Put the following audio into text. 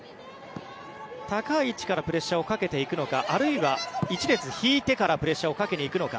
高い位置からプレッシャーをかけていくのかあるいは１列引いてからプレッシャーをかけに行くのか。